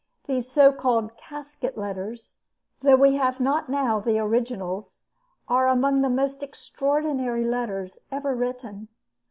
These so called Casket Letters, though we have not now the originals, are among the most extraordinary letters ever written.